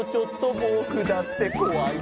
「ぼくだってこわいな」